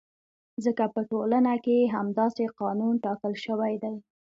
ځکه په ټولنه کې یې همداسې قانون ټاکل شوی دی.